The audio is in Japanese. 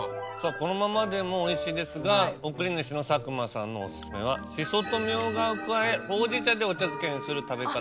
このままでもおいしいですが送り主の佐久間さんのオススメはシソとミョウガを加えほうじ茶でお茶漬けにする食べ方。